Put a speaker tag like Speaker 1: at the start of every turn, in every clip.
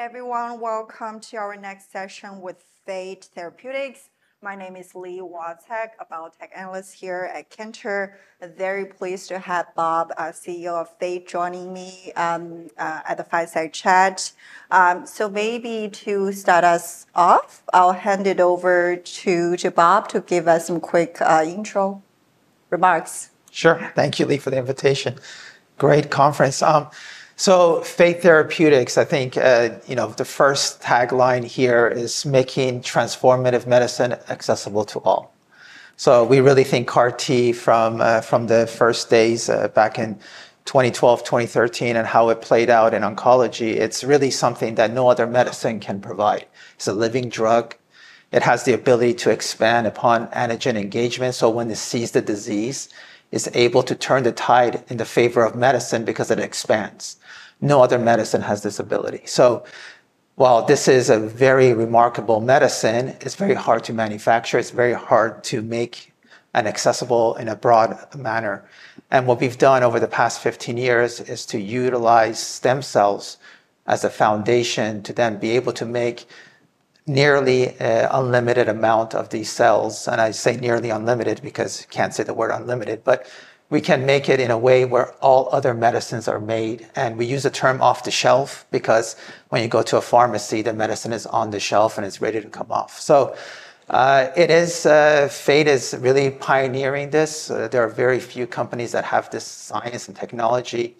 Speaker 1: ... Hey, everyone. Welcome to our next session with Fate Therapeutics. My name is Li Watsek, a biotech analyst here at Cantor Fitzgerald. I'm very pleased to have Bob, our CEO of Fate, joining me at the Fireside Chat. So maybe to start us off, I'll hand it over to Bob to give us some quick intro remarks.
Speaker 2: Sure. Thank you, Li, for the invitation. Great conference, so Fate Therapeutics, I think, you know, the first tagline here is making transformative medicine accessible to all. So we really think CAR T from the first days back in 2012, 2013, and how it played out in oncology, it's really something that no other medicine can provide. It's a living drug. It has the ability to expand upon antigen engagement, so when it sees the disease, it's able to turn the tide in the favor of medicine because it expands. No other medicine has this ability. So while this is a very remarkable medicine, it's very hard to manufacture, it's very hard to make and accessible in a broad manner. And what we've done over the past 15 years is to utilize stem cells as a foundation to then be able to make nearly a unlimited amount of these cells. And I say nearly unlimited because you can't say the word unlimited, but we can make it in a way where all other medicines are made, and we use the term off-the-shelf, because when you go to a pharmacy, the medicine is on the shelf, and it's ready to come off. It is Fate is really pioneering this. There are very few companies that have this science and technology,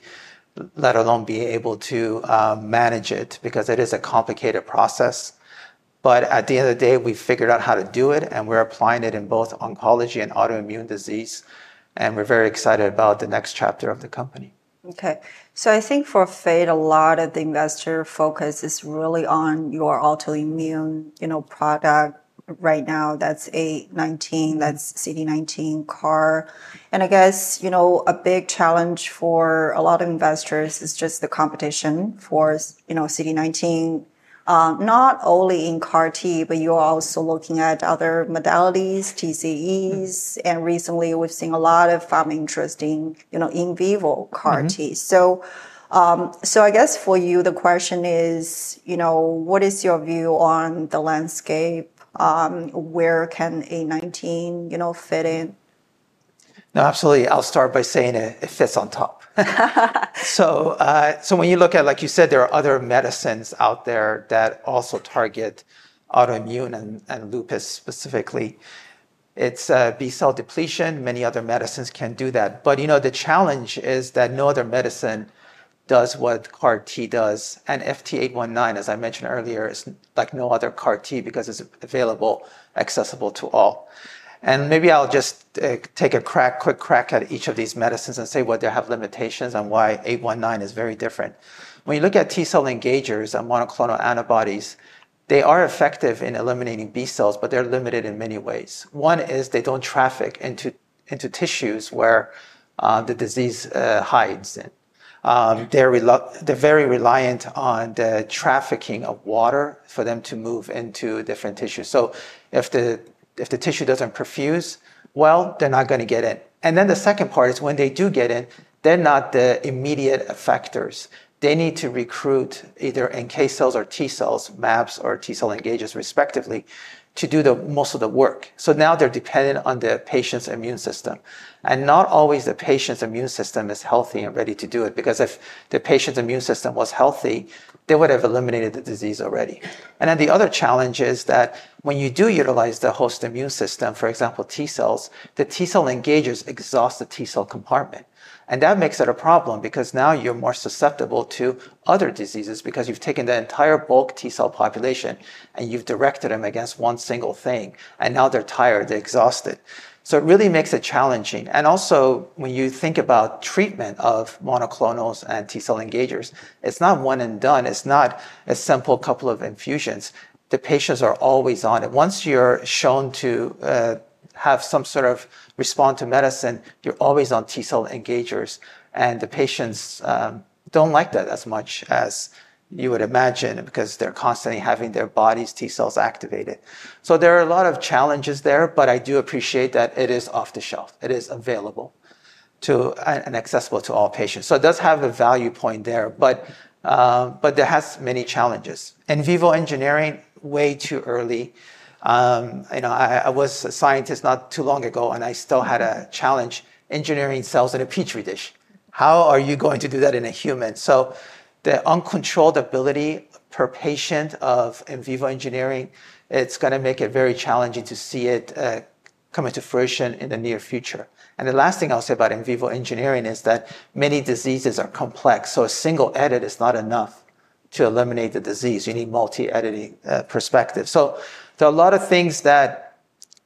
Speaker 2: let alone be able to manage it, because it is a complicated process. But at the end of the day, we've figured out how to do it, and we're applying it in both oncology and autoimmune disease, and we're very excited about the next chapter of the company.
Speaker 1: Okay. So I think for Fate, a lot of the investor focus is really on your autoimmune, you know, product right now. That's FT819, that's CD19 CAR. And I guess, you know, a big challenge for a lot of investors is just the competition for you know, CD19, not only in CAR T, but you're also looking at other modalities, TCEs, and recently we've seen a lot of, interesting, you know, in vivo CAR T.
Speaker 2: Mm-hmm.
Speaker 1: I guess for you, the question is, you know, what is your view on the landscape? Where can FT819, you know, fit in?
Speaker 2: No, absolutely. I'll start by saying it, it fits on top. When you look at, like you said, there are other medicines out there that also target autoimmune and lupus specifically. It's B-cell depletion. Many other medicines can do that. But, you know, the challenge is that no other medicine does what CAR T does, and FT819, as I mentioned earlier, is like no other CAR T because it's available, accessible to all. And maybe I'll just take a quick crack at each of these medicines and say why they have limitations and why 819 is very different. When you look at T-cell engagers and monoclonal antibodies, they are effective in eliminating B-cells, but they're limited in many ways. One is they don't traffic into tissues where the disease hides in. They're very reliant on the trafficking of water for them to move into different tissues. So if the tissue doesn't perfuse well, they're not gonna get in. And then the second part is, when they do get in, they're not the immediate effectors. They need to recruit either NK cells or T-cells, monoclonals or T-cell engagers, respectively, to do the most of the work. So now they're dependent on the patient's immune system, and not always the patient's immune system is healthy and ready to do it, because if the patient's immune system was healthy, they would have eliminated the disease already. And then the other challenge is that when you do utilize the host immune system, for example, T-cells, the T-cell engagers exhaust the T-cell compartment. And that makes it a problem because now you're more susceptible to other diseases because you've taken the entire bulk T-cell population, and you've directed them against one single thing, and now they're tired, they're exhausted. So it really makes it challenging. And also, when you think about treatment of monoclonals and T-cell engagers, it's not one and done. It's not a simple couple of infusions. The patients are always on it. Once you're shown to have some sort of response to medicine, you're always on T-cell engagers, and the patients don't like that as much as you would imagine because they're constantly having their body's T-cells activated. So there are a lot of challenges there, but I do appreciate that it is off-the-shelf. It is available to and accessible to all patients. So it does have a value point there, but but it has many challenges. And in vivo engineering, way too early. You know, I was a scientist not too long ago, and I still had a challenge engineering cells in a Petri dish. How are you going to do that in a human? So the uncontrolled variability per patient of in vivo engineering, it's gonna make it very challenging to see it come into fruition in the near future. And the last thing I'll say about in vivo engineering is that many diseases are complex, so a single edit is not enough to eliminate the disease. You need multi-editing perspective. So there are a lot of things that,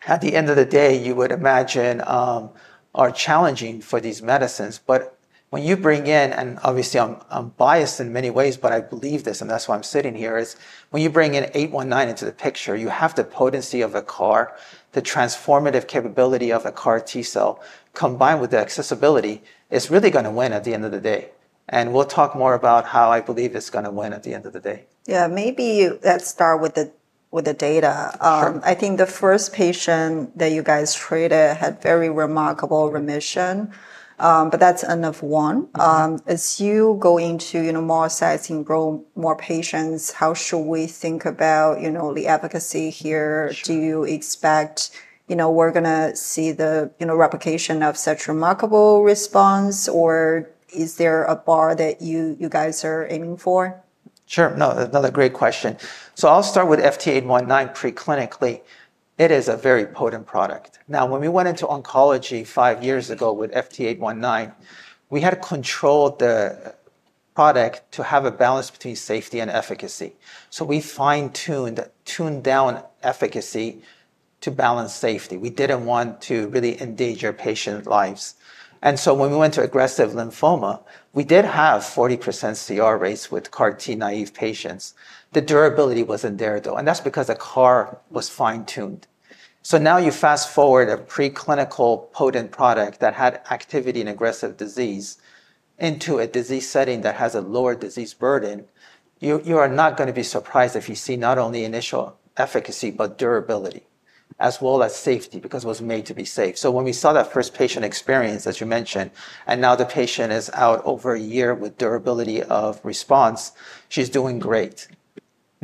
Speaker 2: at the end of the day, you would imagine are challenging for these medicines. But when you bring in, and obviously, I'm, I'm biased in many ways, but I believe this, and that's why I'm sitting here, is when you bring in FT819 into the picture, you have the potency of a CAR, the transformative capability of a CAR T-cell, combined with the accessibility, it's really gonna win at the end of the day, and we'll talk more about how I believe it's gonna win at the end of the day.
Speaker 1: Yeah. Maybe let's start with the data.
Speaker 2: Sure.
Speaker 1: I think the first patient that you guys treated had very remarkable remission, but that's n of one.
Speaker 2: Mm-hmm.
Speaker 1: As you go into, you know, more sites, enroll more patients, how should we think about, you know, the efficacy here? Do you expect, you know, we're gonna see the, you know, replication of such remarkable response, or is there a bar that you, you guys are aiming for?
Speaker 2: Sure. No, another great question. So I'll start with FT819 preclinically. It is a very potent product. Now, when we went into oncology five years ago with FT819, we had to control the product to have a balance between safety and efficacy. So we fine-tuned down efficacy to balance safety. We didn't want to really endanger patient lives. And so when we went to aggressive lymphoma, we did have 40% CR rates with CAR T-naïve patients. The durability wasn't there, though, and that's because the CAR was fine-tuned. So now you fast-forward a preclinical potent product that had activity in aggressive disease into a disease setting that has a lower disease burden, you are not gonna be surprised if you see not only initial efficacy, but durability, as well as safety, because it was made to be safe. So when we saw that first patient experience, as you mentioned, and now the patient is out over a year with durability of response, she's doing great.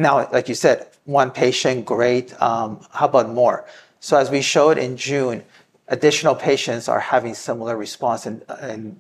Speaker 2: Now, like you said, one patient, great. How about more? So as we showed in June, additional patients are having similar response and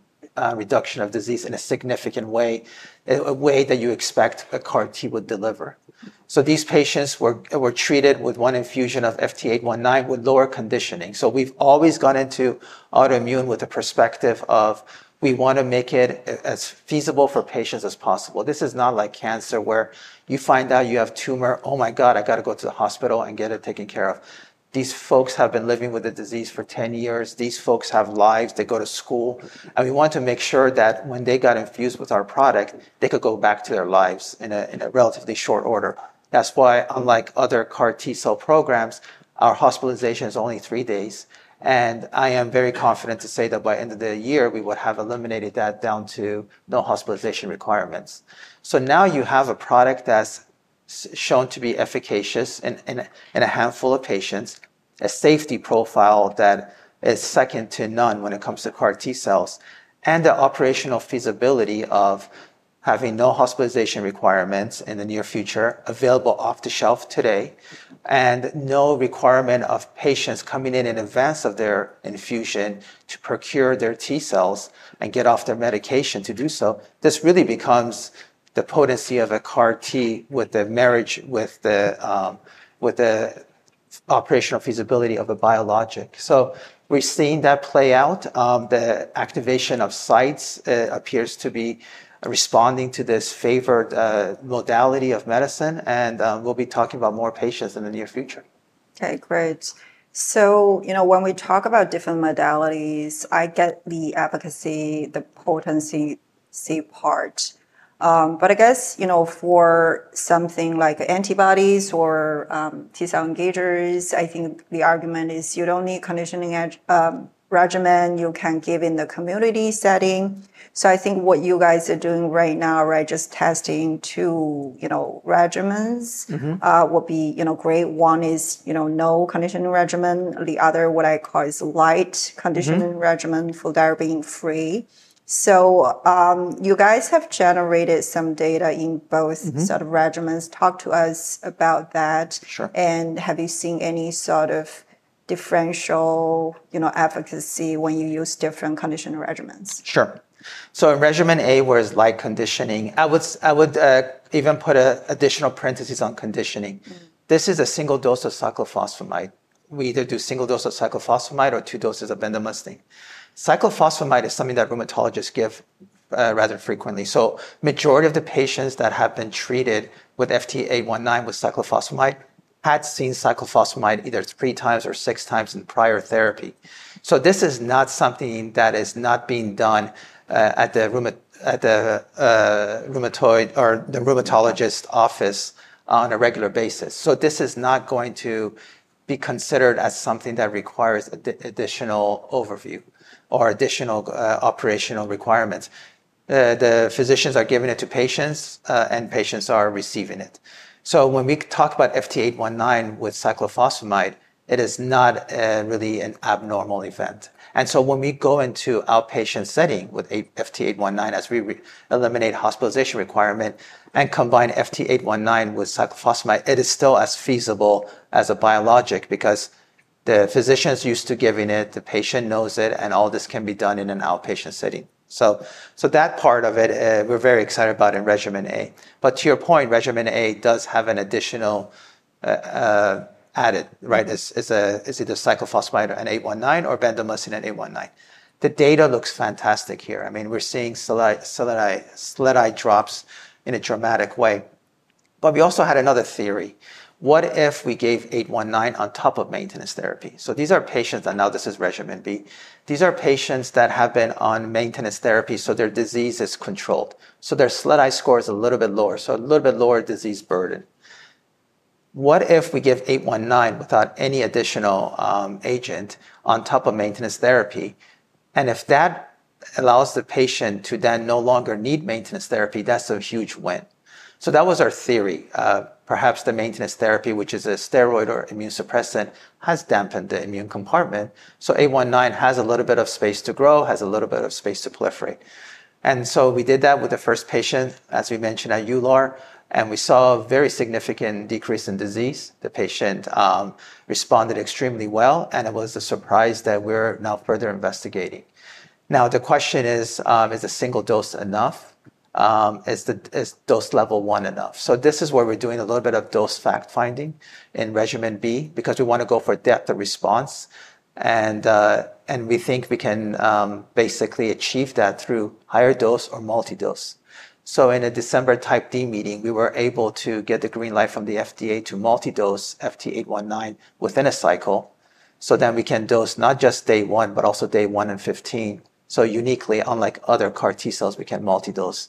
Speaker 2: reduction of disease in a significant way, a way that you expect a CAR T would deliver. So these patients were treated with one infusion of FT819 with lower conditioning. So we've always gone into autoimmune with the perspective of, we want to make it as feasible for patients as possible. This is not like cancer, where you find out you have tumor, "Oh, my God, I've got to go to the hospital and get it taken care of." These folks have been living with the disease for 10 years. These folks have lives. They go to school, and we want to make sure that when they got infused with our product, they could go back to their lives in a relatively short order. That's why, unlike other CAR T-cell programs, our hospitalization is only three days, and I am very confident to say that by end of the year, we would have eliminated that down to no hospitalization requirements. So now you have a product that's shown to be efficacious in a handful of patients, a safety profile that is second to none when it comes to CAR T-cells, and the operational feasibility of having no hospitalization requirements in the near future, available off the shelf today, and no requirement of patients coming in in advance of their infusion to procure their T-cells and get off their medication to do so. This really becomes the potency of a CAR T with the marriage with the operational feasibility of a biologic, so we've seen that play out. The activation of sites appears to be responding to this favored modality of medicine, and we'll be talking about more patients in the near future.
Speaker 1: Okay, great. So, you know, when we talk about different modalities, I get the efficacy, the potency part. But I guess, you know, for something like antibodies or T-cell engagers, I think the argument is you don't need conditioning regimen. You can give in the community setting. So I think what you guys are doing right now, right, just testing two, you know, regimens-
Speaker 2: Mm-hmm...
Speaker 1: will be, you know, great. One is, you know, no conditioning regimen. The other, what I call, is light-
Speaker 2: Mm-hmm...
Speaker 1: conditioning regimen, fully fludarabine-free. So, you guys have generated some data in both-
Speaker 2: Mm-hmm...
Speaker 1: sort of regimens. Talk to us about that.
Speaker 2: Sure.
Speaker 1: Have you seen any sort of differential, you know, efficacy when you use different conditioning regimens?
Speaker 2: Sure. So in regimen A, where it's light conditioning, I would even put an additional parenthesis on conditioning. This is a single dose of cyclophosphamide. We either do single dose of cyclophosphamide or two doses of bendamustine. Cyclophosphamide is something that rheumatologists give, rather frequently. So majority of the patients that have been treated with FT819 with cyclophosphamide had seen cyclophosphamide either three times or six times in prior therapy. So this is not something that is not being done, at the rheumatologist's-
Speaker 1: Right...
Speaker 2: office on a regular basis, this is not going to be considered as something that requires additional overview or additional operational requirements. The physicians are giving it to patients, and patients are receiving it. So when we talk about FT819 with cyclophosphamide, it is not really an abnormal event, and so when we go into outpatient setting with FT819 as we eliminate hospitalization requirement and combine FT819 with cyclophosphamide, it is still as feasible as a biologic because the physicians are used to giving it, the patient knows it, and all this can be done in an outpatient setting, so that part of it, we're very excited about in regimen A. But to your point, regimen A does have an additional added, right? It's either cyclophosphamide and FT819 or bendamustine and FT819. The data looks fantastic here. I mean, we're seeing SLEDAI drops in a dramatic way. But we also had another theory. What if we gave FT819 on top of maintenance therapy? So these are patients, and now this is regimen B. These are patients that have been on maintenance therapy, so their disease is controlled, so their SLEDAI score is a little bit lower, so a little bit lower disease burden. What if we give FT819 without any additional agent on top of maintenance therapy, and if that allows the patient to then no longer need maintenance therapy, that's a huge win. So that was our theory. Perhaps the maintenance therapy, which is a steroid or immune suppressant, has dampened the immune compartment, so FT819 has a little bit of space to grow, has a little bit of space to proliferate. So we did that with the first patient, as we mentioned at EULAR, and we saw a very significant decrease in disease. The patient responded extremely well, and it was a surprise that we're now further investigating. Now, the question is, is a single dose enough? Is dose level one enough? So this is where we're doing a little bit of dose fact-finding in regimen B, because we wanna go for depth of response, and we think we can basically achieve that through higher dose or multi-dose. So in a December Type D meeting, we were able to get the green light from the FDA to multi-dose FT819 within a cycle, so then we can dose not just day one, but also day one and 15. So uniquely, unlike other CAR T cells, we can multi-dose.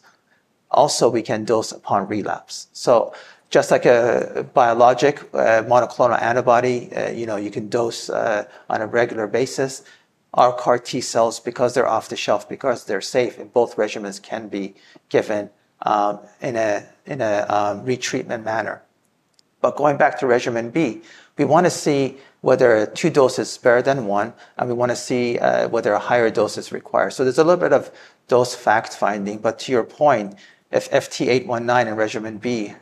Speaker 2: Also, we can dose upon relapse. So just like a biologic, monoclonal antibody, you know, you can dose on a regular basis, our CAR T cells, because they're off-the-shelf, because they're safe, and both regimens can be given in a retreatment manner. But going back to regimen B, we wanna see whether two dose is better than one, and we wanna see whether a higher dose is required. So there's a little bit of dose fact-finding, but to your point, if FT819 in regimen B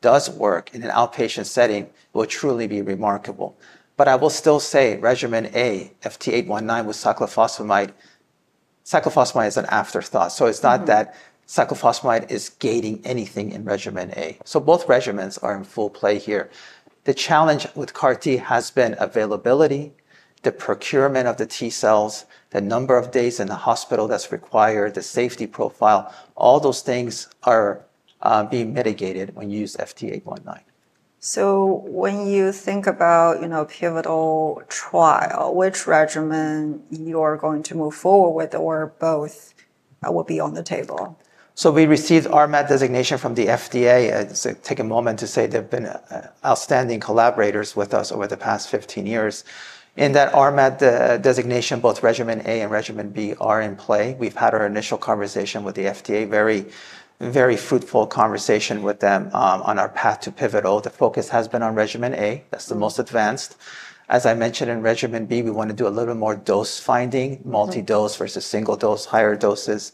Speaker 2: does work in an outpatient setting, it will truly be remarkable. But I will still say regimen A, FT819 with cyclophosphamide is an afterthought.
Speaker 1: Mm-hmm.
Speaker 2: So it's not that cyclophosphamide is gating anything in regimen A. So both regimens are in full play here. The challenge with CAR T has been availability, the procurement of the T cells, the number of days in the hospital that's required, the safety profile, all those things are being mitigated when you use FT819.
Speaker 1: So when you think about, you know, pivotal trial, which regimen you're going to move forward with, or both, will be on the table?
Speaker 2: So we received RMAT designation from the FDA. So take a moment to say they've been outstanding collaborators with us over the past 15 years. In that RMAT designation, both regimen A and regimen B are in play. We've had our initial conversation with the FDA, very, very fruitful conversation with them on our path to pivotal. The focus has been on regimen A. That's the most advanced. As I mentioned in regimen B, we want to do a little more dose-finding-
Speaker 1: Mm-hmm...
Speaker 2: multi-dose versus single dose, higher doses.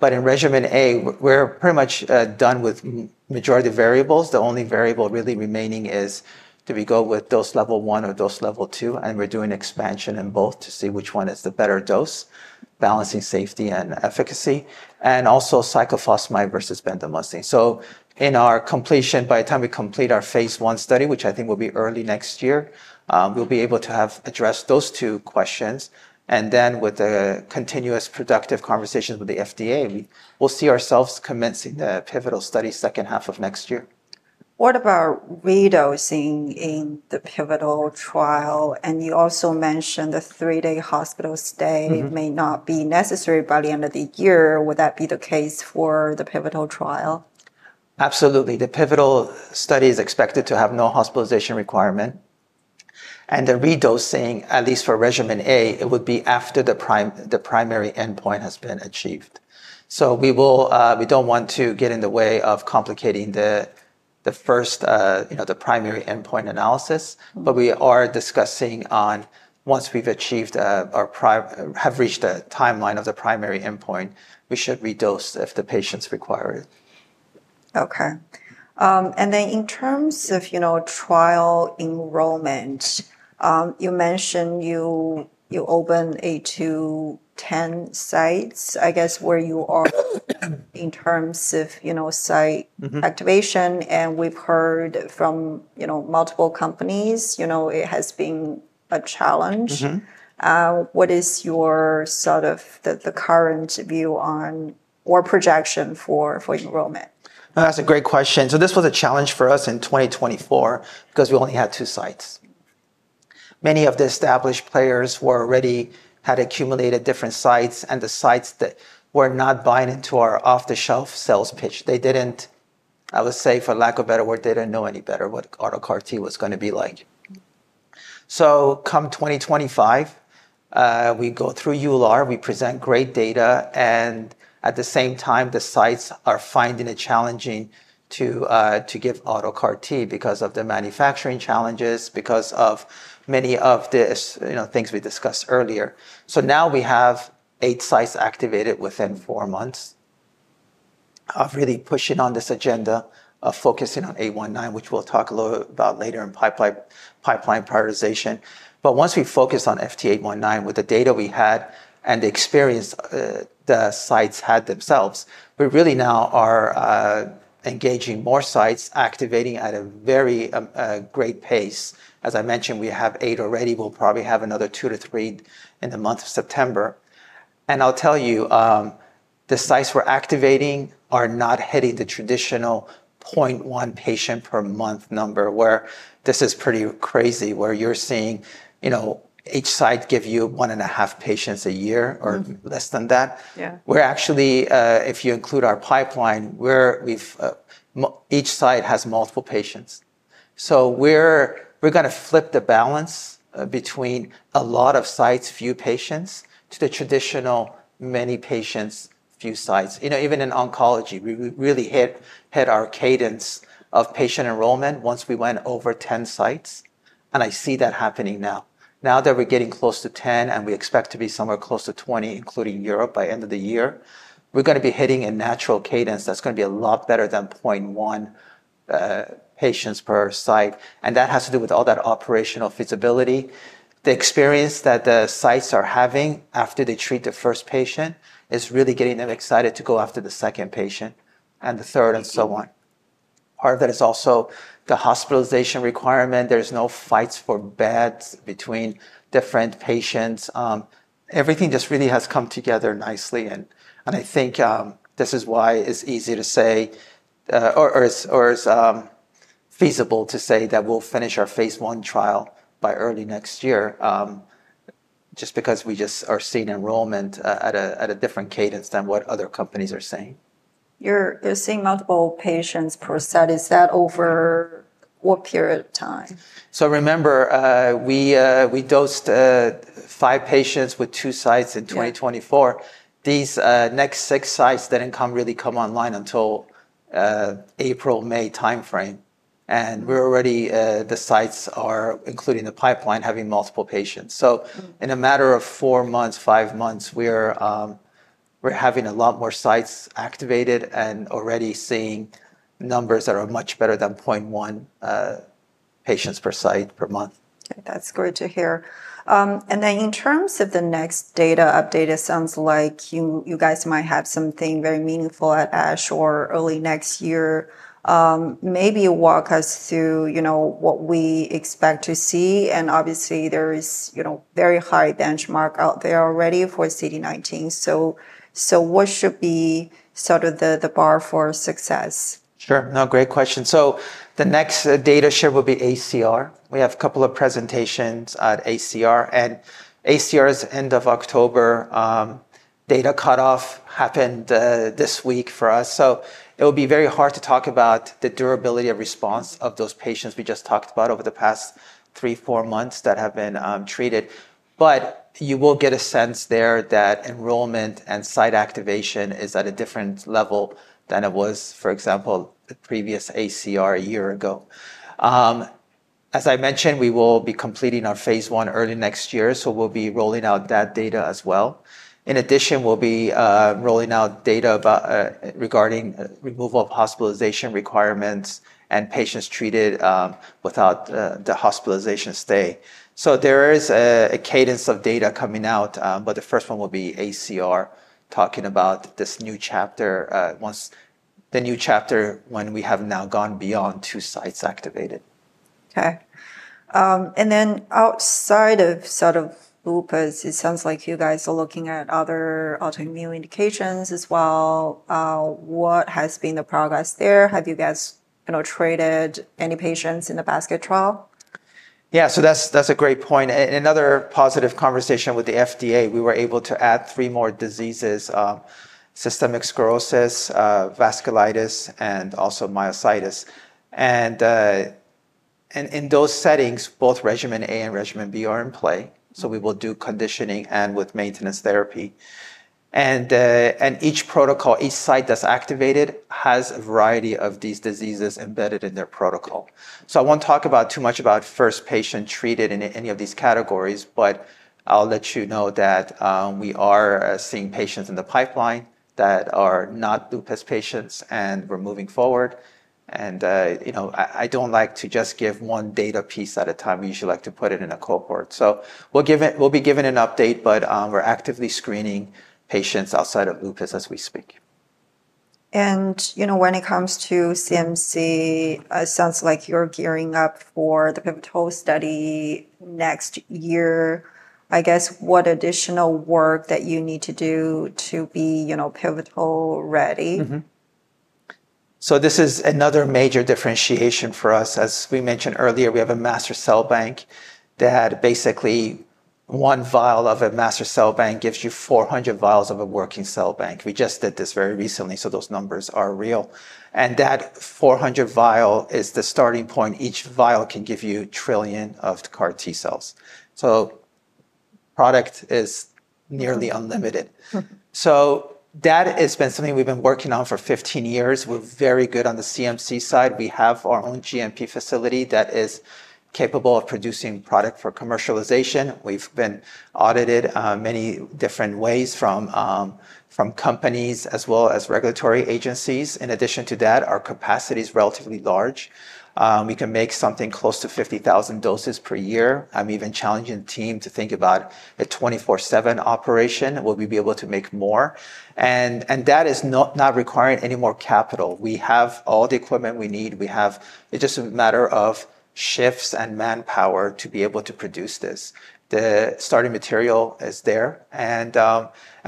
Speaker 2: But in regimen A, we're, we're pretty much done with majority of variables. The only variable really remaining is, do we go with dose level one or dose level two? And we're doing expansion in both to see which one is the better dose, balancing safety and efficacy, and also cyclophosphamide versus bendamustine. So in our completion, by the time we complete our phase one study, which I think will be early next year, we'll be able to have addressed those two questions, and then with the continuous productive conversations with the FDA, we'll see ourselves commencing the pivotal study second half of next year.
Speaker 1: What about redosing in the pivotal trial? And you also mentioned the three-day hospital stay-
Speaker 2: Mm-hmm...
Speaker 1: may not be necessary by the end of the year. Would that be the case for the pivotal trial?
Speaker 2: Absolutely. The pivotal study is expected to have no hospitalization requirement, and the redosing, at least for regimen A, it would be after the primary endpoint has been achieved. So we will. We don't want to get in the way of complicating the first, you know, the primary endpoint analysis.
Speaker 1: Mm-hmm...
Speaker 2: but we are discussing on once we've achieved, have reached a timeline of the primary endpoint, we should redose if the patients require it.
Speaker 1: Okay. And then in terms of, you know, trial enrollment, you mentioned you open eight to ten sites. I guess, where you are- in terms of, you know, site-
Speaker 2: Mm-hmm
Speaker 1: activation, and we've heard from, you know, multiple companies, you know, it has been a challenge.
Speaker 2: Mm-hmm.
Speaker 1: What is your sort of the current view on or projection for enrollment?
Speaker 2: That's a great question, so this was a challenge for us in 2024 because we only had two sites. Many of the established players had accumulated different sites, and the sites that were not buying into our off-the-shelf sales pitch, I would say, for lack of a better word, they didn't know any better, what auto CAR T was gonna be like, so come 2025, we go through EULAR, we present great data, and at the same time, the sites are finding it challenging to give auto CAR T because of the manufacturing challenges, because of many of the, you know, things we discussed earlier, so now we have eight sites activated within four months of really pushing on this agenda, of focusing on FT819, which we'll talk a little about later in pipeline prioritization. But once we focus on FT819 with the data we had and the experience, the sites had themselves, we really now are engaging more sites, activating at a very great pace. As I mentioned, we have eight already. We'll probably have another two to three in the month of September. And I'll tell you, the sites we're activating are not hitting the traditional point one patient per month number, where this is pretty crazy, where you're seeing, you know, each site give you one and a half patients a year.
Speaker 1: Mm...
Speaker 2: or less than that.
Speaker 1: Yeah.
Speaker 2: We're actually, if you include our pipeline, each site has multiple patients. So we're gonna flip the balance between a lot of sites, few patients, to the traditional many patients, few sites. You know, even in oncology, we really hit our cadence of patient enrollment once we went over 10 sites, and I see that happening now. Now that we're getting close to 10, and we expect to be somewhere close to 20, including Europe, by end of the year, we're gonna be hitting a natural cadence that's gonna be a lot better than 0.1 patients per site, and that has to do with all that operational feasibility. The experience that the sites are having after they treat the first patient is really getting them excited to go after the second patient, and the third, and so on. Part of that is also the hospitalization requirement. There's no fights for beds between different patients. Everything just really has come together nicely, and I think this is why it's easy to say, or it's feasible to say that we'll finish our phase I trial by early next year, just because we just are seeing enrollment at a different cadence than what other companies are seeing.
Speaker 1: You're seeing multiple patients per site. Is that over what period of time?
Speaker 2: Remember, we dosed five patients with two sites in 2024.
Speaker 1: Yeah.
Speaker 2: These next six sites didn't really come online until the April-May timeframe, and we're already, the sites are, including the pipeline, having multiple patients. In a matter of four months, five months, we're having a lot more sites activated and already seeing numbers that are much better than 0.1 patients per site per month.
Speaker 1: Okay, that's great to hear. And then in terms of the next data update, it sounds like you guys might have something very meaningful at ASH or early next year. Maybe walk us through, you know, what we expect to see, and obviously, there is, you know, very high benchmark out there already for CD19. What should be sort of the bar for success?
Speaker 2: Sure. No, great question. So the next data share will be ACR. We have a couple of presentations at ACR, and ACR's end of October. Data cutoff happened this week for us, so it will be very hard to talk about the durability of response of those patients we just talked about over the past three, four months that have been treated. But you will get a sense there that enrollment and site activation is at a different level than it was, for example, the previous ACR a year ago. As I mentioned, we will be completing our phase one early next year, so we'll be rolling out that data as well. In addition, we'll be rolling out data about regarding removal of hospitalization requirements and patients treated without the hospitalization stay. There is a cadence of data coming out, but the first one will be ACR, talking about this new chapter. The new chapter when we have now gone beyond two sites activated.
Speaker 1: Okay. And then outside of sort of lupus, it sounds like you guys are looking at other autoimmune indications as well. What has been the progress there? Have you guys, you know, treated any patients in the basket trial?
Speaker 2: Yeah, so that's a great point. Another positive conversation with the FDA. We were able to add three more diseases: systemic sclerosis, vasculitis, and also myositis, and in those settings, both regimen A and regimen B are in play, so we will do conditioning and with maintenance therapy, and each protocol, each site that's activated, has a variety of these diseases embedded in their protocol, so I won't talk too much about first patient treated in any of these categories, but I'll let you know that we are seeing patients in the pipeline that are not lupus patients, and we're moving forward, and you know, I don't like to just give one data piece at a time. We usually like to put it in a cohort. So we'll be giving an update, but we're actively screening patients outside of lupus as we speak.
Speaker 1: You know, when it comes to CMC, it sounds like you're gearing up for the pivotal study next year. I guess, what additional work that you need to do to be, you know, pivotal-ready?
Speaker 2: Mm-hmm. So this is another major differentiation for us. As we mentioned earlier, we have a master cell bank that basically one vial of a master cell bank gives you 400 vials of a working cell bank. We just did this very recently, so those numbers are real, and that 400 vial is the starting point. Each vial can give you trillion of CAR T cells, so product is nearly unlimited.
Speaker 1: Mm.
Speaker 2: So that has been something we've been working on for 15 years. We're very good on the CMC side. We have our own GMP facility that is capable of producing product for commercialization. We've been audited many different ways from companies as well as regulatory agencies. In addition to that, our capacity is relatively large. We can make something close to 50,000 doses per year. I'm even challenging the team to think about a twenty-four/seven operation. Will we be able to make more? And that is not requiring any more capital. We have all the equipment we need. It's just a matter of shifts and manpower to be able to produce this. The starting material is there, and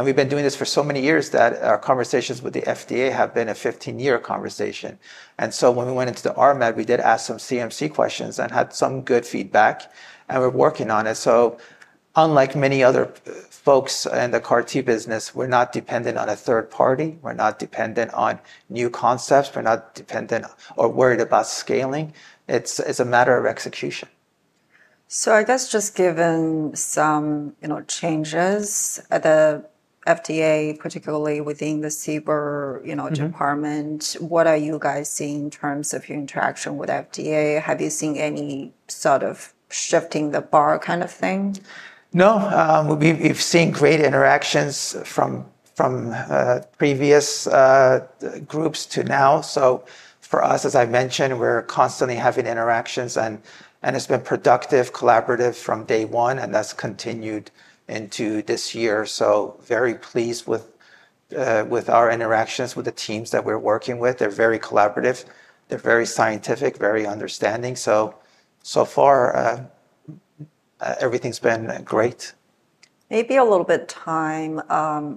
Speaker 2: we've been doing this for so many years that our conversations with the FDA have been a 15-year conversation. And so when we went into the RMAT, we did ask some CMC questions and had some good feedback, and we're working on it. Unlike many other folks in the CAR T business, we're not dependent on a third party. We're not dependent on new concepts. We're not dependent or worried about scaling. It's a matter of execution.
Speaker 1: I guess just given some, you know, changes at the FDA, particularly within the CBER, you know-
Speaker 2: Mm-hmm
Speaker 1: Department, what are you guys seeing in terms of your interaction with FDA? Have you seen any sort of shifting the bar kind of thing?
Speaker 2: No. We've seen great interactions from previous groups to now. So for us, as I mentioned, we're constantly having interactions, and it's been productive, collaborative from day one, and that's continued into this year. So very pleased with our interactions with the teams that we're working with. They're very collaborative, they're very scientific, very understanding. So far, everything's been great.
Speaker 1: Maybe a little bit time,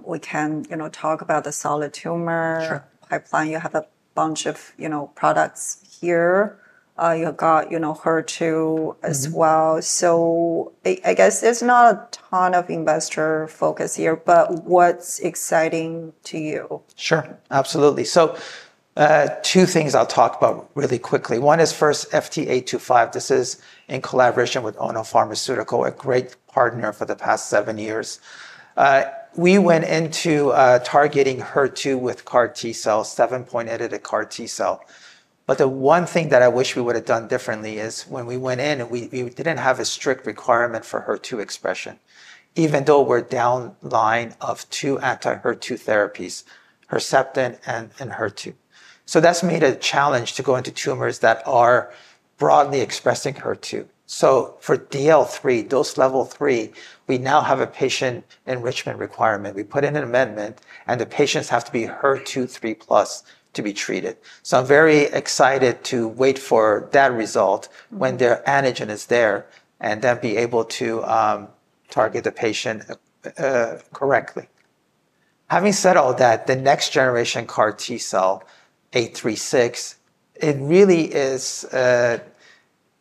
Speaker 1: we can, you know, talk about the solid tumor-
Speaker 2: Sure
Speaker 1: - pipeline. You have a bunch of, you know, products here. You got, you know, HER2 as well.
Speaker 2: Mm-hmm.
Speaker 1: I guess there's not a ton of investor focus here, but what's exciting to you?
Speaker 2: Sure. Absolutely. So, two things I'll talk about really quickly. One is first FT825. This is in collaboration with Ono Pharmaceutical, a great partner for the past seven years. We went into targeting HER2 with CAR T-cell, seven-point edited CAR T-cell. But the one thing that I wish we would've done differently is when we went in, we didn't have a strict requirement for HER2 expression, even though we're downstream of two anti-HER2 therapies, Herceptin and HER2. So that's made a challenge to go into tumors that are broadly expressing HER2. So for DL3, dose level three, we now have a patient enrichment requirement. We put in an amendment, and the patients have to be HER2 3+ to be treated. So I'm very excited to wait for that result.
Speaker 1: Mm-hmm...
Speaker 2: when their antigen is there, and then be able to target the patient correctly. Having said all that, the next generation CAR T-cell, 836, it really is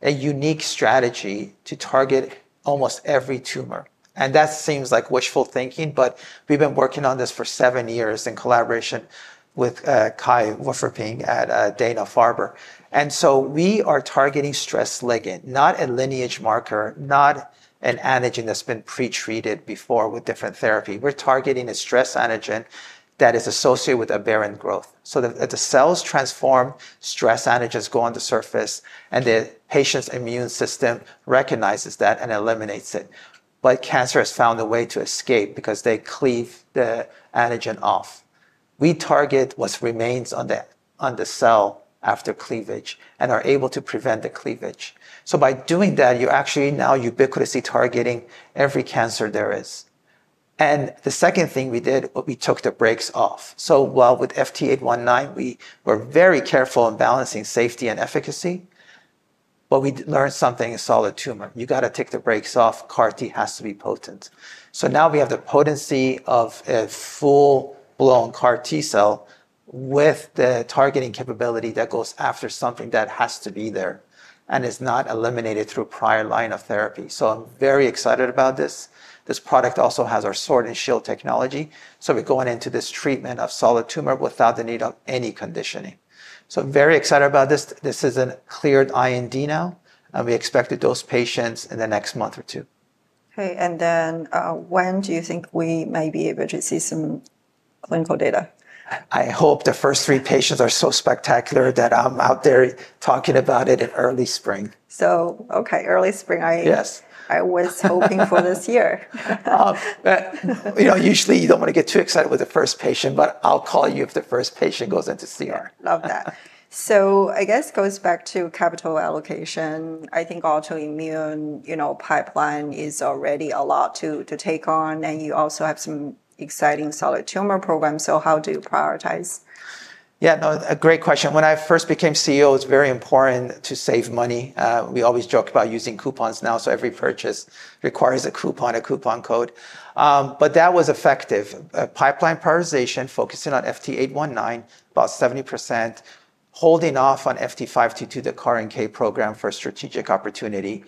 Speaker 2: a unique strategy to target almost every tumor, and that seems like wishful thinking, but we've been working on this for seven years in collaboration with Kai Wucherpfennig at Dana-Farber, and so we are targeting stress ligand, not a lineage marker, not an antigen that's been pretreated before with different therapy. We're targeting a stress antigen that is associated with aberrant growth, so the cells transform, stress antigens go on the surface, and the patient's immune system recognizes that and eliminates it, but cancer has found a way to escape because they cleave the antigen off. We target what remains on the cell after cleavage and are able to prevent the cleavage. So by doing that, you're actually now ubiquitously targeting every cancer there is. And the second thing we did, we took the brakes off. So while with FT819, we were very careful in balancing safety and efficacy, but we learned something in solid tumor. You got to take the brakes off. CAR T has to be potent. So now we have the potency of a full-blown CAR T-cell with the targeting capability that goes after something that has to be there and is not eliminated through prior line of therapy. So I'm very excited about this. This product also has our sword and shield technology, so we're going into this treatment of solid tumor without the need of any conditioning. So I'm very excited about this. This is a cleared IND now, and we expect to dose patients in the next month or two.
Speaker 1: Okay, and then, when do you think we may be able to see some clinical data?
Speaker 2: I hope the first three patients are so spectacular that I'm out there talking about it in early spring.
Speaker 1: Okay, early spring, I-
Speaker 2: Yes.
Speaker 1: I was hoping for this year.
Speaker 2: you know, usually you don't want to get too excited with the first patient, but I'll call you if the first patient goes into CR.
Speaker 1: Love that. So I guess goes back to capital allocation. I think autoimmune, you know, pipeline is already a lot to take on, and you also have some exciting solid tumor programs. So how do you prioritize?
Speaker 2: Yeah, no, a great question. When I first became CEO, it's very important to save money. We always joke about using coupons now, so every purchase requires a coupon, a coupon code. But that was effective. Pipeline prioritization, focusing on FT819, about 70%, holding off on FT522, the CAR NK program, for a strategic opportunity,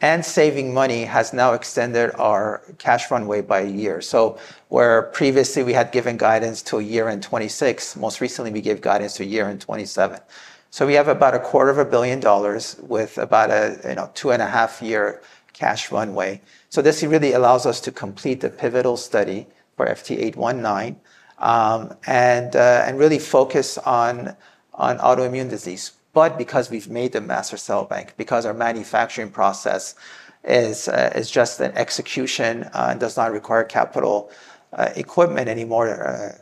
Speaker 2: and saving money has now extended our cash runway by a year. So where previously we had given guidance to a year in 2026, most recently, we gave guidance to a year in 2027. So we have about $250 million with about a, you know, two-and-a-half-year cash runway. So this really allows us to complete the pivotal study for FT819, and really focus on autoimmune disease. But because we've made the master cell bank, because our manufacturing process is just an execution, and does not require capital equipment anymore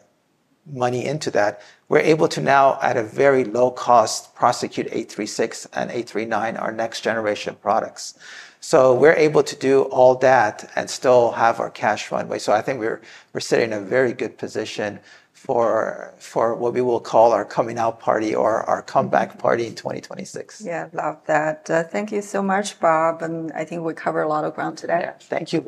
Speaker 2: money into that, we're able to now, at a very low cost, prosecute FT836 and FT839, our next-generation products. So we're able to do all that and still have our cash runway. So I think we're sitting in a very good position for what we will call our coming out party or our comeback party in 2026.
Speaker 1: Yeah, love that. Thank you so much, Bob, and I think we covered a lot of ground today.
Speaker 2: Yeah. Thank you.